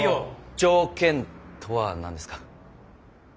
条件とは何ですか？